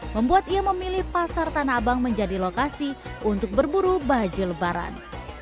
membuat ia memilih pasar tanah abang menjadi lokasi untuk berburu baju lebaran